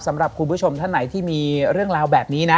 สำหรับคุณผู้ชมท่านไหนที่มีเรื่องราวแบบนี้นะ